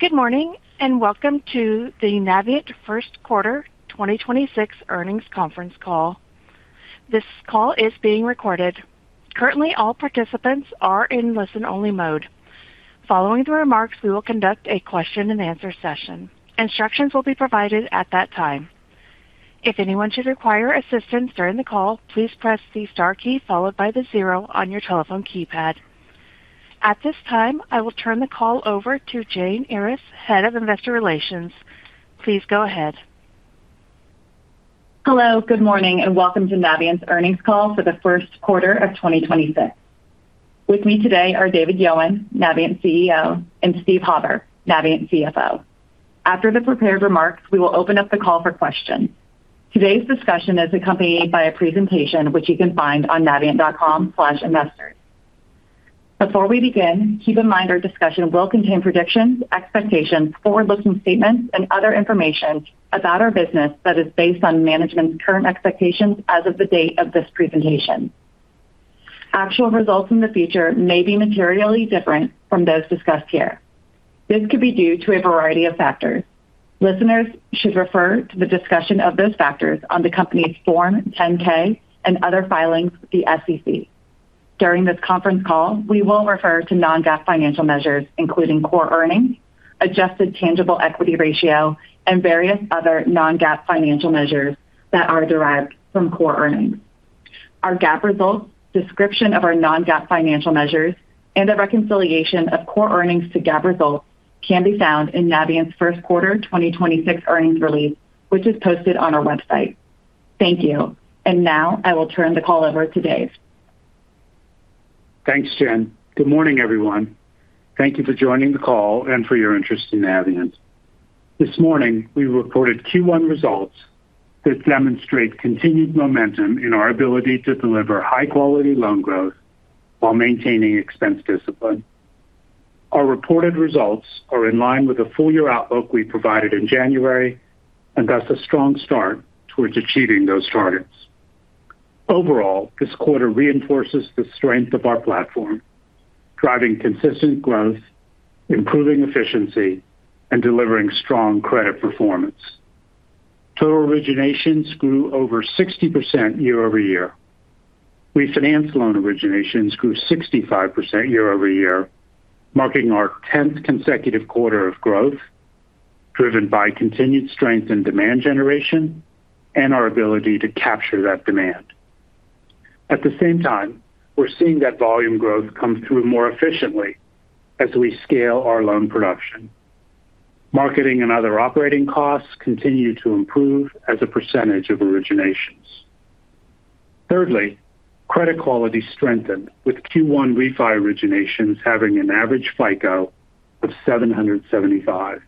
Good morning, welcome to the Navient Q1 2026 earnings conference call. This call is being recorded. Currently, all participants are in listen-only mode. Following the remarks, we will conduct a question and answer session. Instructions will be provided at that time. If anyone should require assistance during the call, please press the star key followed by the 0 on your telephone keypad. At this time, I will turn the call over to Jen Earyes, Head of Investor Relations. Please go ahead. Hello, good morning, and welcome to Navient's earnings call for the Q1 of 2026. With me today are David Yowan, Navient CEO, and Steve Hauber, Navient CFO. After the prepared remarks, we will open up the call for questions. Today's discussion is accompanied by a presentation which you can find on navient.com/investors. Before we begin, keep in mind our discussion will contain predictions, expectations, forward-looking statements and other information about our business that is based on management's current expectations as of the date of this presentation. Actual results in the future may be materially different from those discussed here. This could be due to a variety of factors. Listeners should refer to the discussion of those factors on the company's Form 10-K and other filings with the SEC. During this conference call, we will refer to non-GAAP financial measures, including Core Earnings, Adjusted Tangible Equity Ratio, and various other non-GAAP financial measures that are derived from Core Earnings. Our GAAP results, description of our non-GAAP financial measures, and a reconciliation of Core Earnings to GAAP results can be found in Navient's Q1 2026 earnings release, which is posted on our website. Thank you. Now I will turn the call over to David. Thanks, Jen. Good morning, everyone. Thank you for joining the call and for your interest in Navient. This morning, we reported Q1 results that demonstrate continued momentum in our ability to deliver high-quality loan growth while maintaining expense discipline. Our reported results are in line with the full-year outlook we provided in January and that's a strong start towards achieving those targets. Overall, this quarter reinforces the strength of our platform, driving consistent growth, improving efficiency, and delivering strong credit performance. Total originations grew over 60% year-over-year. We financed loan originations grew 65% year-over-year, marking our 10th consecutive quarter of growth, driven by continued strength in demand generation and our ability to capture that demand. At the same time, we're seeing that volume growth come through more efficiently as we scale our loan production. Marketing and other operating costs continue to improve as a percentage of originations. Thirdly, credit quality strengthened with Q1 refi originations having an average FICO of 775.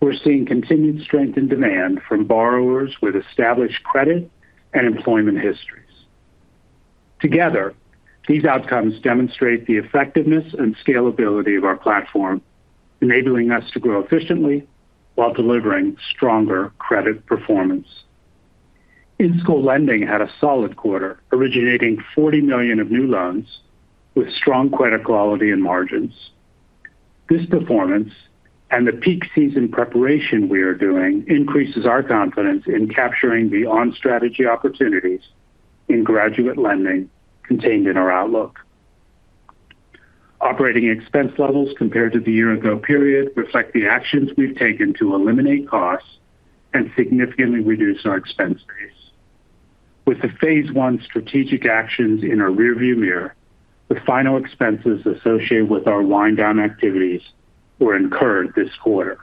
We're seeing continued strength in demand from borrowers with established credit and employment histories. Together, these outcomes demonstrate the effectiveness and scalability of our platform, enabling us to grow efficiently while delivering stronger credit performance. In-school lending had a solid quarter, originating $40 million of new loans with strong credit quality and margins. This performance and the peak season preparation we are doing increases our confidence in capturing the on-strategy opportunities in graduate lending contained in our outlook. Operating expense levels compared to the year-ago period reflect the actions we've taken to eliminate costs and significantly reduce our expense base. With the phase I strategic actions in our rearview mirror, the final expenses associated with our wind-down activities were incurred this quarter.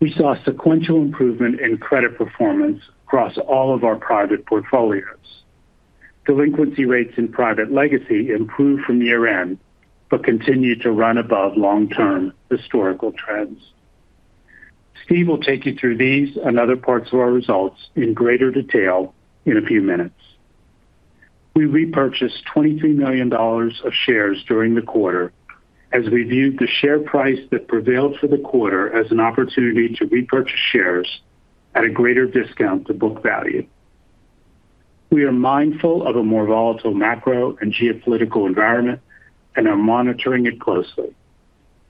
We saw sequential improvement in credit performance across all of our private portfolios. Delinquency rates in private legacy improved from year-end but continued to run above long-term historical trends. Steve will take you through these and other parts of our results in greater detail in a few minutes. We repurchased $23 million of shares during the quarter as we viewed the share price that prevailed for the quarter as an opportunity to repurchase shares at a greater discount to book value. We are mindful of a more volatile macro and geopolitical environment and are monitoring it closely.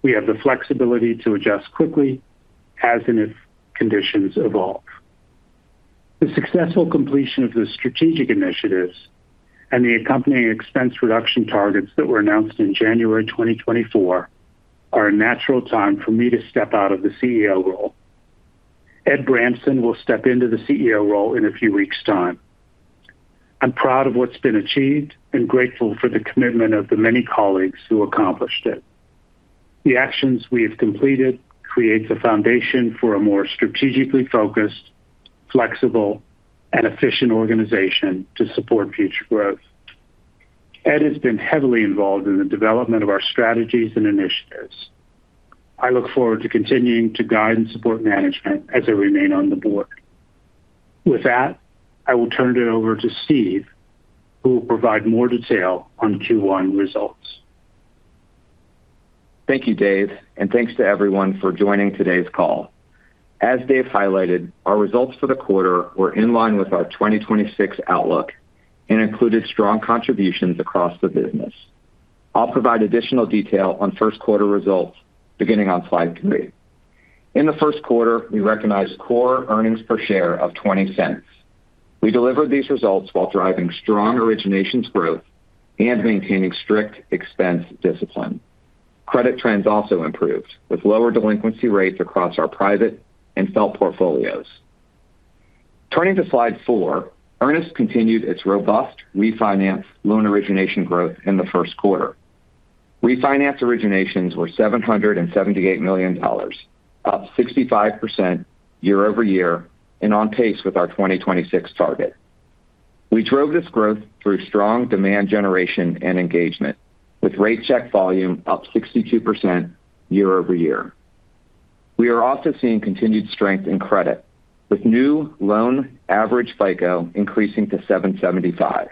We have the flexibility to adjust quickly as and if conditions evolve. The successful completion of the strategic initiatives and the accompanying expense reduction targets that were announced in January 2024 are a natural time for me to step out of the CEO role. Edward Bramson will step into the CEO role in a few weeks' time. I'm proud of what's been achieved and grateful for the commitment of the many colleagues who accomplished it. The actions we have completed creates a foundation for a more strategically focused, flexible, and efficient organization to support future growth. Ed has been heavily involved in the development of our strategies and initiatives. I look forward to continuing to guide and support management as I remain on the board. With that, I will turn it over to Steve, who will provide more detail on Q1 results. Thank you, David Yowan, and thanks to everyone for joining today's call. As David Yowan highlighted, our results for the quarter were in line with our 2026 outlook and included strong contributions across the business. I'll provide additional detail on Q1 results beginning on slide 3. In the Q1, we recognized Core Earnings per share of $0.20. We delivered these results while driving strong originations growth and maintaining strict expense discipline. Credit trends also improved, with lower delinquency rates across our private and FFELP portfolios. Turning to slide 4, Earnest continued its robust refinance loan origination growth in the Q1. Refinance originations were $778 million, up 65% year-over-year and on pace with our 2026 target. We drove this growth through strong demand generation and engagement, with rate check volume up 62% year-over-year. We are also seeing continued strength in credit, with new loan average FICO increasing to 775,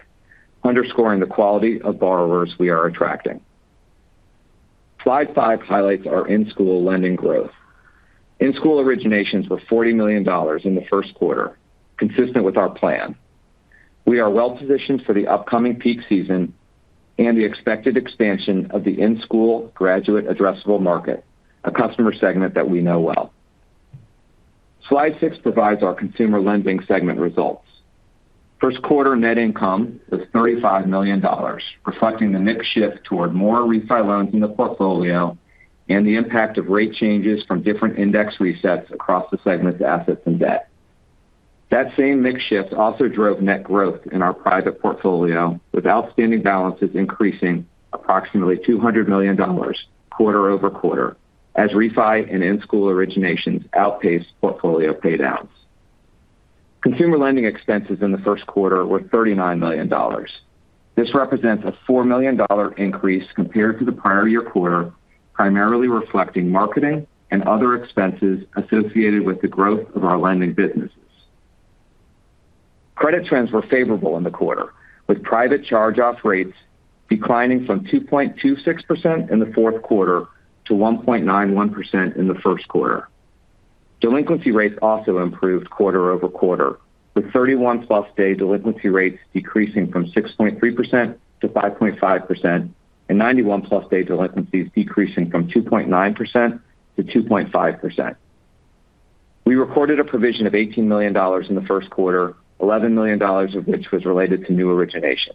underscoring the quality of borrowers we are attracting. Slide five highlights our in-school lending growth. In-school originations were $40 million in the Q1, consistent with our plan. We are well-positioned for the upcoming peak season and the expected expansion of the in-school graduate addressable market, a customer segment that we know well. Slide six provides our consumer lending segment results. Q1 net income was $35 million, reflecting the mix shift toward more refi loans in the portfolio and the impact of rate changes from different index resets across the segment's assets and debt. That same mix shift also drove net growth in our private portfolio, with outstanding balances increasing approximately $200 million quarter-over-quarter as refi and in-school originations outpaced portfolio pay downs. Consumer lending expenses in the Q1 were $39 million. This represents a $4 million increase compared to the prior-year quarter, primarily reflecting marketing and other expenses associated with the growth of our lending businesses. Credit trends were favorable in the quarter, with private charge-off rates declining from 2.26% in the fourth quarter to 1.91% in the Q1. Delinquency rates also improved quarter-over-quarter, with 31-plus day delinquency rates decreasing from 6.3% to 5.5% and 91-plus day delinquencies decreasing from 2.9% to 2.5%. We recorded a provision of $18 million in the Q1, $11 million of which was related to new originations.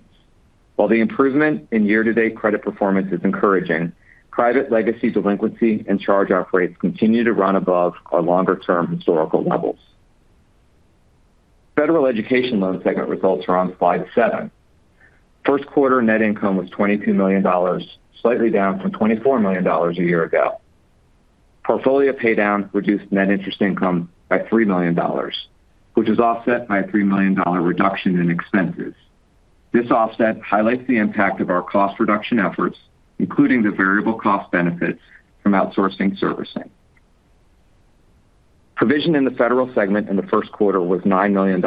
While the improvement in year-to-date credit performance is encouraging, private legacy delinquency and charge-off rates continue to run above our longer-term historical levels. Federal education loan segment results are on slide 7. Q1 net income was $22 million, slightly down from $24 million a year ago. Portfolio pay down reduced net interest income by $3 million, which is offset by a $3 million reduction in expenses. This offset highlights the impact of our cost reduction efforts, including the variable cost benefits from outsourcing servicing. Provision in the Federal segment in the Q1 was $9 million,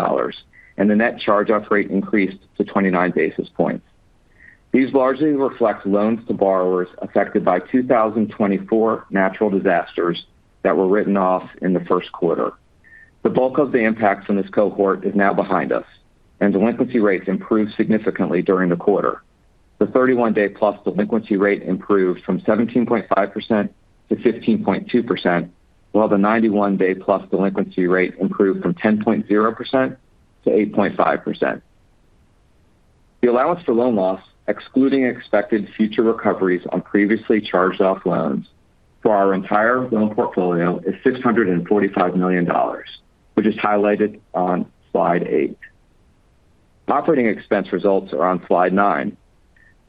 and the net charge-off rate increased to 29 basis points. These largely reflect loans to borrowers affected by 2024 natural disasters that were written off in the Q1. The bulk of the impacts from this cohort is now behind us, and delinquency rates improved significantly during the quarter. The 31-day plus delinquency rate improved from 17.5% to 15.2%, while the 91-day plus delinquency rate improved from 10.0% to 8.5%. The allowance for loan loss, excluding expected future recoveries on previously charged-off loans for our entire loan portfolio, is $645 million, which is highlighted on slide 8. Operating expense results are on slide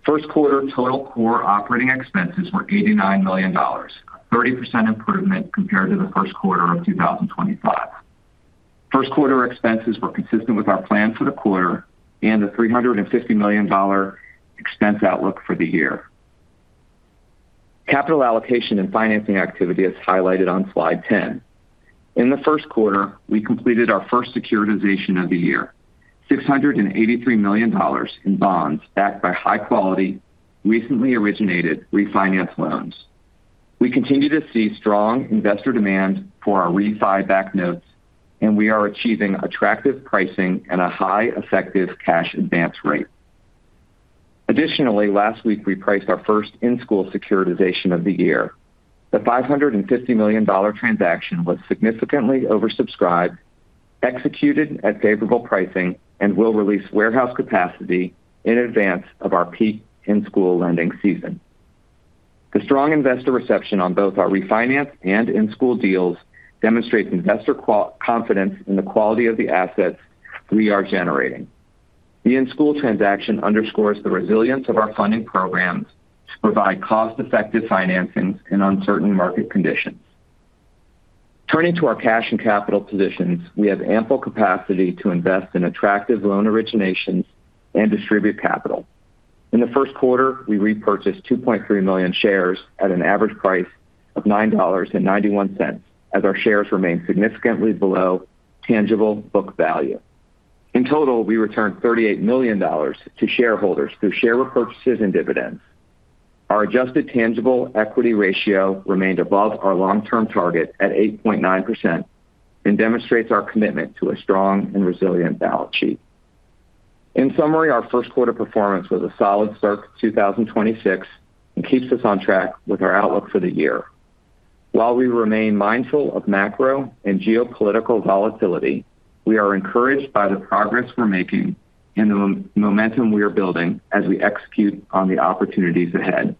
9. Q1 total Core operating expenses were $89 million, a 30% improvement compared to the Q1 of 2025. Q1 expenses were consistent with our plan for the quarter and the $350 million expense outlook for the year. Capital allocation and financing activity is highlighted on slide 10. In the Q1, we completed our first securitization of the year, $683 million in bonds backed by high-quality, recently originated refinance loans. We continue to see strong investor demand for our refi-backed notes, and we are achieving attractive pricing and a high effective cash advance rate. Additionally, last week we priced our first in-school securitization of the year. The $550 million transaction was significantly oversubscribed, executed at favorable pricing, and will release warehouse capacity in advance of our peak in-school lending season. The strong investor reception on both our refinance and in-school deals demonstrates investor confidence in the quality of the assets we are generating. The in-school transaction underscores the resilience of our funding programs to provide cost-effective financing in uncertain market conditions. Turning to our cash and capital positions, we have ample capacity to invest in attractive loan originations and distribute capital. In the Q1, we repurchased 2.3 million shares at an average price of $9.91 as our shares remain significantly below tangible book value. In total, we returned $38 million to shareholders through share repurchases and dividends. Our Adjusted Tangible Equity Ratio remained above our long-term target at 8.9% and demonstrates our commitment to a strong and resilient balance sheet. In summary, our Q1 performance was a solid start 2026 and keeps us on track with our outlook for the year. While we remain mindful of macro and geopolitical volatility, we are encouraged by the progress we're making and the momentum we are building as we execute on the opportunities ahead.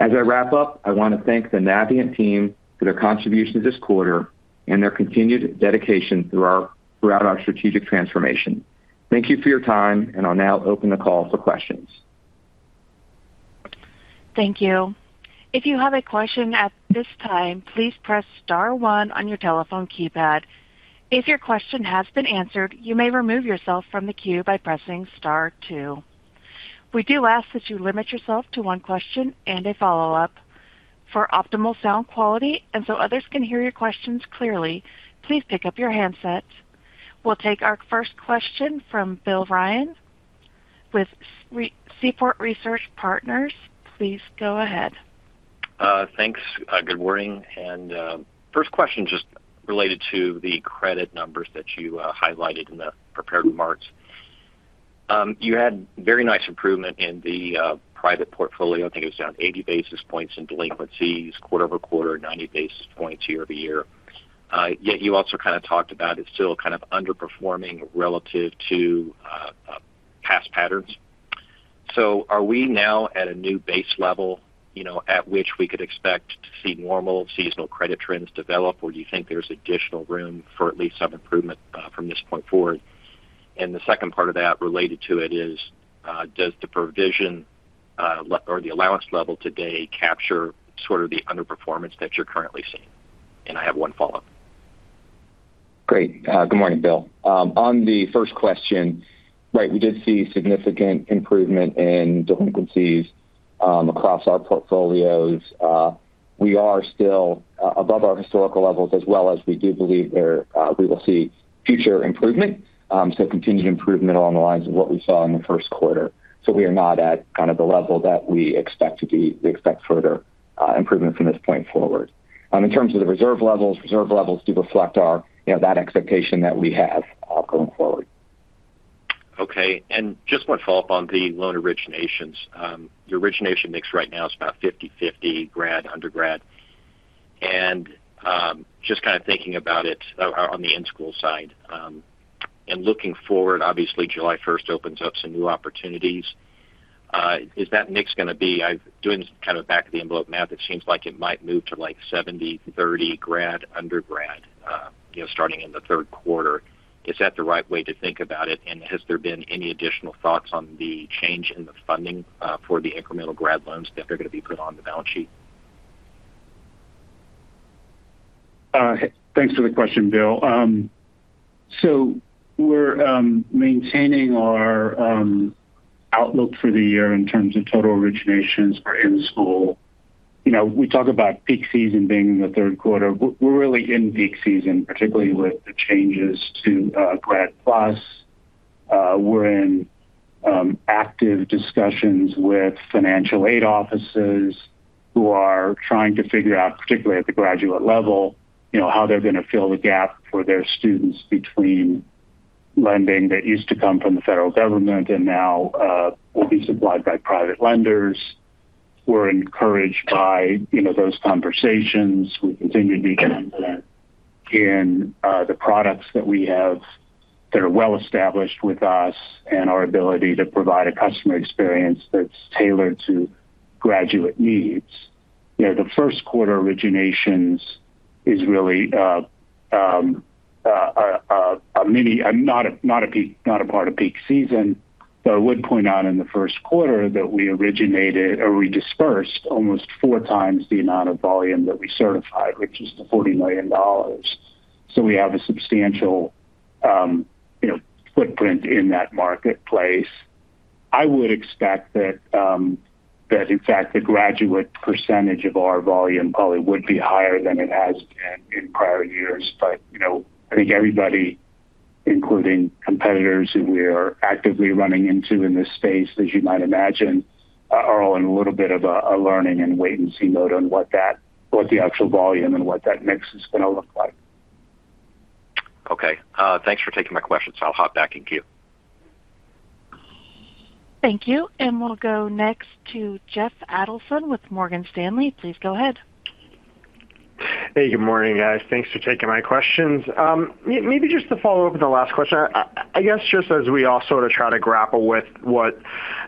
As I wrap up, I want to thank the Navient team for their contribution this quarter and their continued dedication throughout our strategic transformation. Thank you for your time, I'll now open the call for questions. Thank you. If you have a question at this time, please press star one on your telephone keypad. If your question has been answered, you may remove yourself from the queue by pressing star two. We do ask that you limit yourself to one question and a follow-up. For optimal sound quality and so others can hear your questions clearly, please pick up your handsets. We'll take our first question from William Ryan with Seaport Research Partners. Please go ahead. Thanks. Good morning. First question just related to the credit numbers that you highlighted in the prepared remarks. You had very nice improvement in the private portfolio. I think it was down 80 basis points in delinquencies quarter-over-quarter, 90 basis points year-over-year. Yet you also kind of talked about it's still kind of underperforming relative to past patterns. Are we now at a new base level, you know, at which we could expect to see normal seasonal credit trends develop? Do you think there's additional room for at least some improvement from this point forward? The second part of that related to it is, does the provision or the allowance level today capture sort of the underperformance that you're currently seeing? I have 1 follow-up. Great. Good morning, William. On the first question, right, we did see significant improvement in delinquencies across our portfolios. We are still above our historical levels as well as we do believe there we will see future improvement, so continued improvement along the lines of what we saw in the Q1. We are not at kind of the level that we expect to be. We expect further improvement from this point forward. In terms of the reserve levels, reserve levels do reflect our, you know, that expectation that we have going forward. Okay. Just one follow-up on the loan originations. Your origination mix right now is about 50/50 grad/undergrad. Just kind of thinking about it, on the in-school side, and looking forward, obviously July 1st opens up some new opportunities. Is that mix going to be, I'm doing some kind of back of the envelope math, it seems like it might move to like 70/30 grad/undergrad, you know, starting in the Q3? Is that the right way to think about it? Has there been any additional thoughts on the change in the funding, for the incremental grad loans that are going to be put on the balance sheet? Thanks for the question, William. We're maintaining our outlook for the year in terms of total originations for in-school. You know, we talk about peak season being in the Q3. We're really in peak season, particularly with the changes to Grad PLUS. We're in active discussions with financial aid offices who are trying to figure out, particularly at the graduate level, you know, how they're going to fill the gap for their students between lending that used to come from the federal government and now will be supplied by private lenders. We're encouraged by, you know, those conversations. We continue to be confident in the products that we have that are well established with us and our ability to provide a customer experience that's tailored to graduate needs. You know, the Q1 originations is really not a, not a peak, not a part of peak season. Though I would point out in the Q1 that we originated or we dispersed almost 4x the amount of volume that we certified, which is the $40 million. We have a substantial, you know, footprint in that marketplace. I would expect that in fact the graduate percentage of our volume probably would be higher than it has been in prior years. You know, I think everybody, including competitors who we are actively running into in this space, as you might imagine, are all in a little bit of a learning and wait-and-see mode on what that, what the actual volume and what that mix is going to look like. Okay. Thanks for taking my questions. I'll hop back in queue. Thank you. We'll go next to Jeffrey Adelson with Morgan Stanley. Please go ahead. Hey, good morning, guys. Thanks for taking my questions. Maybe just to follow up with the last question. I guess just as we all sort of try to grapple with what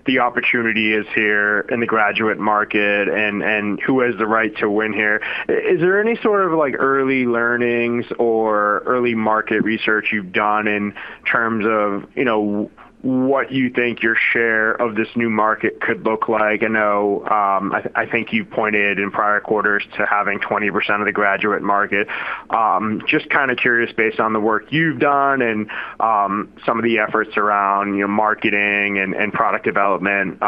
the opportunity is here in the graduate market and who has the right to win here, is there any sort of like early learnings or early market research you've done in terms of, you know, what you think your share of this new market could look like? I know, I think you pointed in prior quarters to having 20% of the graduate market. Just kind of curious, based on the work you've done and some of the efforts around your marketing and product development,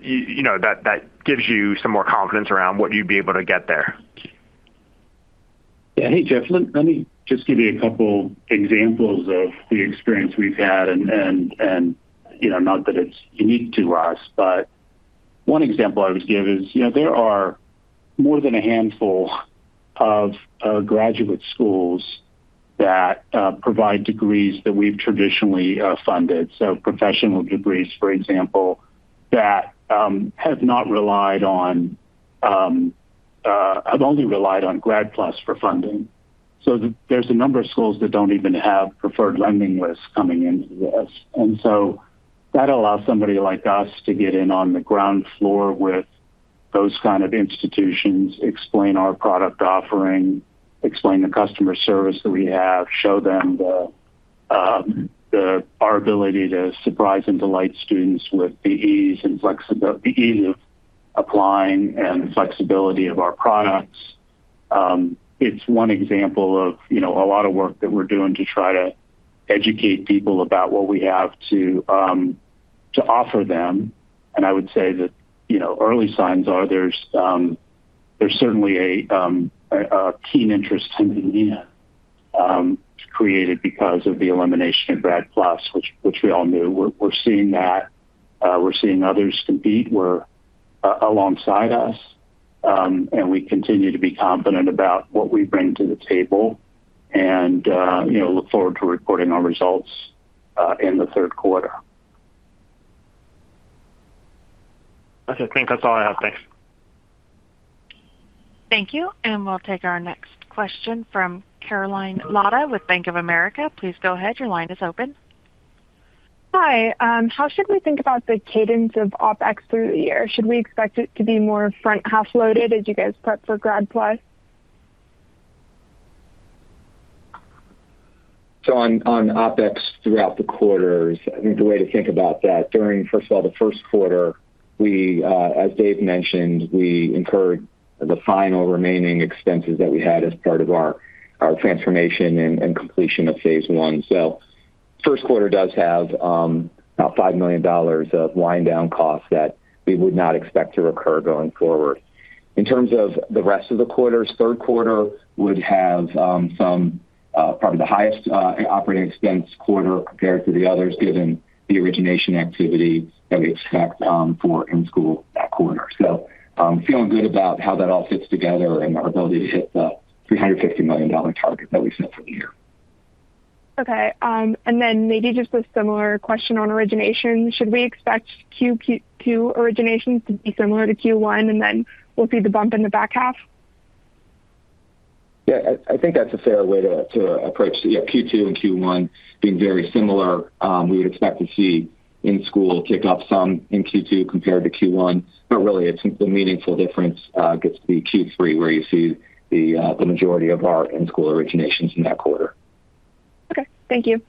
you know, that gives you some more confidence around what you'd be able to get there. Yeah. Hey, Jeff, let me just give you a couple examples of the experience we've had and, you know, not that it's unique to us. One example I would give is, you know, there are more than a handful of graduate schools that provide degrees that we've traditionally funded. Professional degrees, for example, that have only relied on Grad PLUS for funding. There's a number of schools that don't even have preferred lending lists coming into this. That allows somebody like us to get in on the ground floor with those kind of institutions, explain our product offering, explain the customer service that we have, show them our ability to surprise and delight students with the ease of applying and flexibility of our products. It's one example of, you know, a lot of work that we're doing to try to educate people about what we have to offer them. I would say that, you know, early signs are there's certainly a keen interest coming in, created because of the elimination of Grad PLUS, which we all knew. We're seeing that. We're seeing others compete. We're alongside us. We continue to be confident about what we bring to the table and, you know, look forward to reporting our results in the Q3. I think that's all I have. Thanks. Thank you. We'll take our next question from Karoline Lada with Bank of America. Please go ahead. Hi. How should we think about the cadence of OpEx through the year? Should we expect it to be more front half loaded as you guys prep for Grad PLUS? On OpEx throughout the quarters, I think the way to think about that, during, first of all, the first quarter, we, as David mentioned, we incurred the final remaining expenses that we had as part of our transformation and completion of phase I. First quarter does have about $5 million of wind down costs that we would not expect to recur going forward. In terms of the rest of the quarters, Q3 would have some probably the highest operating expense quarter compared to the others given the origination activity that we expect for in school that quarter. Feeling good about how that all fits together and our ability to hit the $350 million target that we set for the year. Okay. Maybe just a similar question on origination. Should we expect Q2 originations to be similar to Q1, then we'll see the bump in the back half? Yeah. I think that's a fair way to approach the, yeah, Q2 and Q1 being very similar. We would expect to see in-school kick off some in Q2 compared to Q1, but really the meaningful difference gets to be Q3, where you see the majority of our in-school originations in that quarter. Okay. Thank you.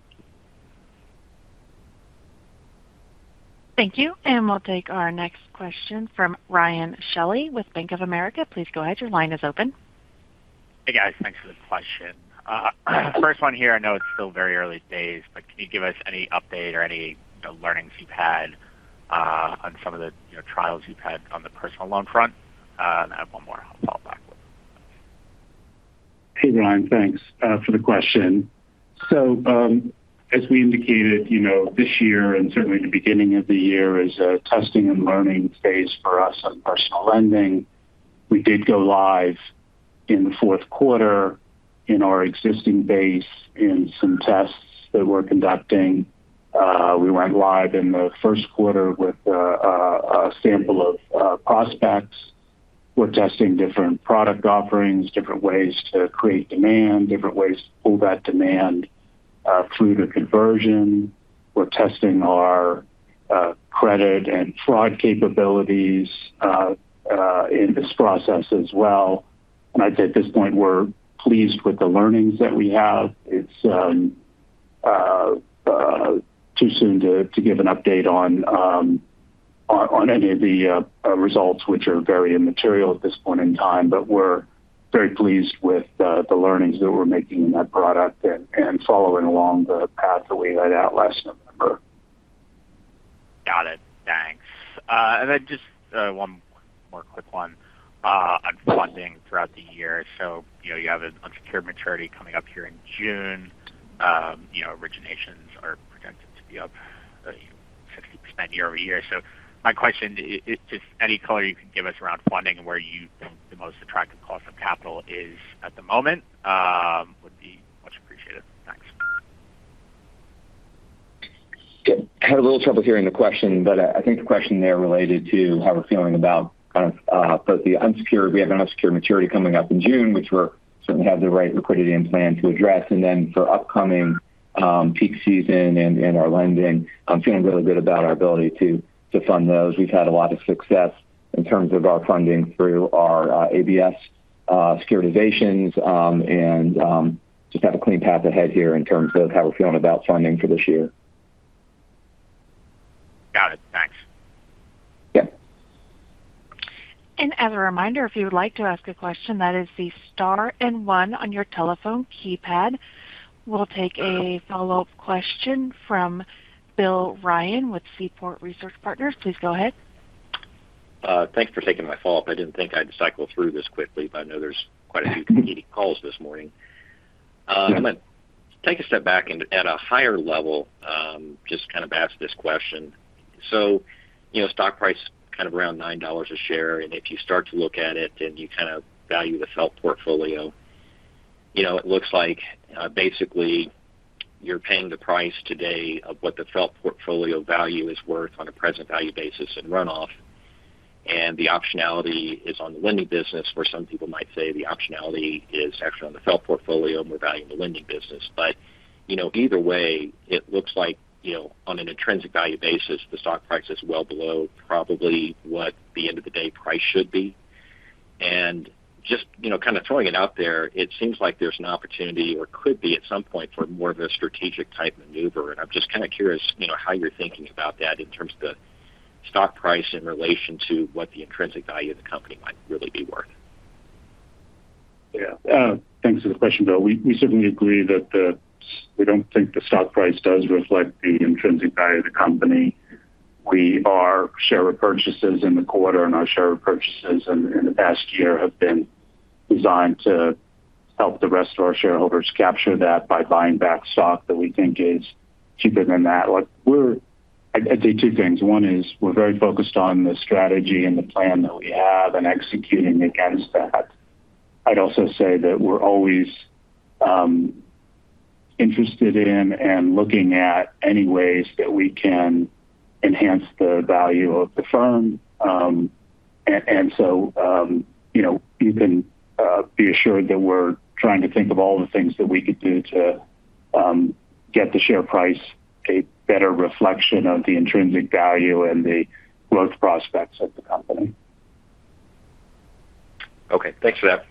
Thank you. We'll take our next question from Ryan Shelley with Bank of America. Please go ahead. Hey, guys. Thanks for the question. First one here, I know it's still very early days, but can you give us any update or any, you know, learnings you've had, on some of the, you know, trials you've had on the personal loan front? I have one more I'll follow up back with. Hey, Ryan. Thanks for the question. As we indicated, you know, this year and certainly the beginning of the year is a testing and learning phase for us on personal lending. We did go live in the fourth quarter in our existing base in some tests that we're conducting. We went live in the first quarter with a sample of prospects. We're testing different product offerings, different ways to create demand, different ways to pull that demand through to conversion. We're testing our credit and fraud capabilities in this process as well. I'd say at this point, we're pleased with the learnings that we have. It's too soon to give an update on any of the results which are very immaterial at this point in time. We're very pleased with the learnings that we're making in that product and following along the path that we laid out last November. Got it. Thanks. Just one more quick one on funding throughout the year. You know, you have an unsecured maturity coming up here in June. You know, originations are projected to be up, you know, 50% year-over-year. My question is just any color you can give us around funding and where you think the most attractive cost of capital is at the moment, would be much appreciated. Thanks. Had a little trouble hearing the question. I think the question there related to how we're feeling about kind of both the unsecured. We have an unsecured maturity coming up in June, which we certainly have the right liquidity and plan to address. For upcoming peak season and our lending, I'm feeling really good about our ability to fund those. We've had a lot of success in terms of our funding through our ABS securitizations, and just have a clean path ahead here in terms of how we're feeling about funding for this year. Got it. Thanks. Yeah. As a reminder, if you would like to ask a question, that is the star and 1 on your telephone keypad. We'll take a follow-up question from William Ryan with Seaport Research Partners. Please go ahead. Thanks for taking my follow-up. I didn't think I'd cycle through this quickly, but I know there's quite a few competing calls this morning. I'm gonna take a step back and at a higher level, just kind of ask this question. You know, stock price kind of around $9 a share, and if you start to look at it and you kind of value the FFELP portfolio, you know, it looks like, basically you're paying the price today of what the FFELP portfolio value is worth on a present value basis and runoff. The optionality is on the lending business, where some people might say the optionality is actually on the FFELP portfolio and we're valuing the lending business. You know, either way, it looks like, you know, on an intrinsic value basis, the stock price is well below probably what the end of the day price should be. Just, you know, kind of throwing it out there, it seems like there's an opportunity or could be at some point for more of a strategic type maneuver. I'm just kind of curious, you know, how you're thinking about that in terms of the stock price in relation to what the intrinsic value of the company might really be worth. Thanks for the question, William. We certainly agree that we don't think the stock price does reflect the intrinsic value of the company. Our share repurchases in the quarter and our share repurchases in the past year have been designed to help the rest of our shareholders capture that by buying back stock that we think is cheaper than that. Like, we're I'd say two things. One is we're very focused on the strategy and the plan that we have and executing against that. I'd also say that we're always interested in and looking at any ways that we can enhance the value of the firm. You know, you can be assured that we're trying to think of all the things that we could do to get the share price a better reflection of the intrinsic value and the growth prospects of the company. Okay. Thanks for that.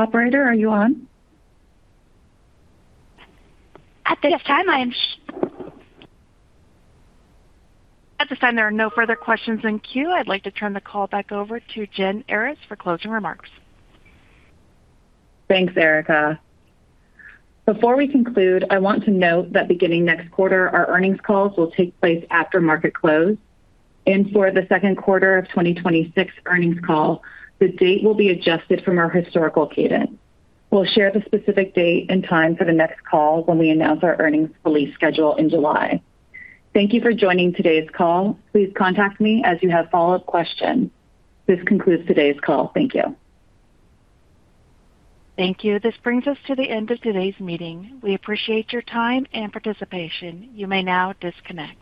Operator, are you on? At this time, I am At this time, there are no further questions in queue. I'd like to turn the call back over to Jen Earyes for closing remarks. Thanks, Erica. Before we conclude, I want to note that beginning next quarter, our earnings calls will take place after market close. For the Q2 of 2026 earnings call, the date will be adjusted from our historical cadence. We'll share the specific date and time for the next call when we announce our earnings release schedule in July. Thank you for joining today's call. Please contact me as you have follow-up questions. This concludes today's call. Thank you. Thank you. This brings us to the end of today's meeting. We appreciate your time and participation. You may now disconnect.